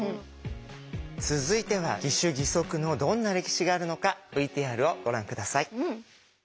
続いては義手義足のどんな歴史があるのかＶＴＲをご覧下さい。